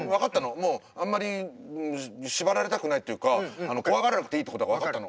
もうあんまり縛られたくないっていうか怖がらなくていいってことが分かったの。